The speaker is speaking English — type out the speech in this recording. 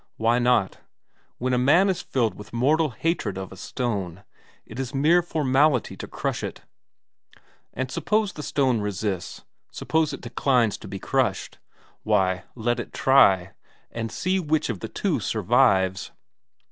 Why not? When a man is filled with mortal hatred of a stone, it is a mere formality to crush it. And suppose the stone resists, suppose it declines to be crushed? Why, let it try and see which of the two survives!